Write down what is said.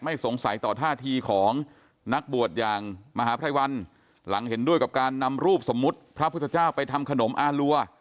สงสัยต่อท่าทีของนักบวชอย่างมหาภัยวันหลังเห็นด้วยกับการนำรูปสมมุติพระพุทธเจ้าไปทำขนมอารัว